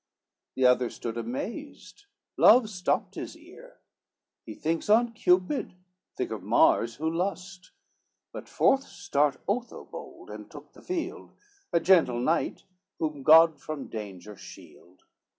The other stood amazed, love stopped his ear, He thinks on Cupid, think of Mars who lust; But forth stert Otho bold, and took the field, A gentle knight whom God from danger shield.